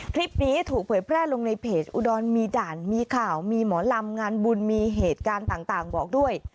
คลิปนี้ถูกเผยแพร่ลงในเพจอุดรมีด่านมีข่าวมีหมอลำงานบุญมีเหตุการณ์ต่างบอกด้วย